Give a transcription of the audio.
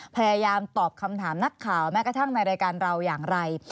พยายามตอบคำถามนักข่าวแม้กระทั่งในรายการเราอย่างไร